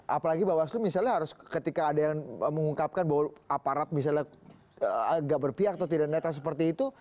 apalagi bawaslu misalnya harus ketika ada yang mengungkapkan bahwa aparat misalnya agak berpihak atau tidak netral seperti itu